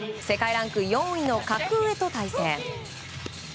世界ランク４位の格上と対戦。